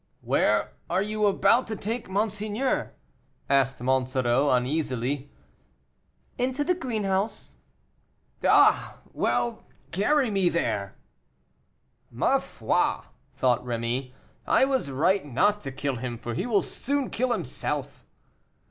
"Where are you about to take monseigneur?" asked Monsoreau uneasily. "Into the greenhouse." "Ah! well, carry me there." "Ma foi!" thought Rémy, "I was right not to kill him, for he will soon kill himself."